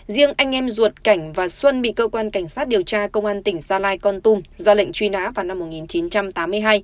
riêng anh em ruột cảnh và xuân bị cơ quan cảnh sát điều tra công an tỉnh gia lai con tum ra lệnh truy nã vào năm một nghìn chín trăm tám mươi hai